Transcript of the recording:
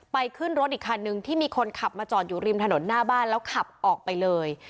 ขึ้นรถอีกคันนึงที่มีคนขับมาจอดอยู่ริมถนนหน้าบ้านแล้วขับออกไปเลย